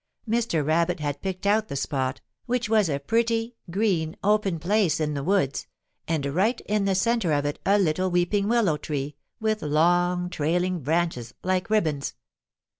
Mr. Rabbit had picked out the spot, which was a pretty, green, open place in the woods, and right in the centre of it a little weeping willow tree, with long, trailing branches like ribbons.